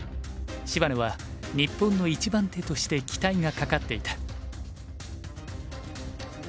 芝野は日本の１番手として期待がかかっていた。